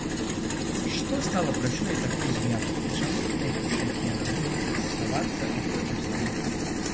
Што стала прычынай такой з'явы і чаму, найхутчэй, яна будзе фіксавацца ўсё часцей?